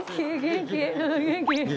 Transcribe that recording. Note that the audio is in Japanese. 元気？